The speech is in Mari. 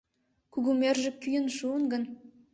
Кугымӧржӧ кӱын шуэш гын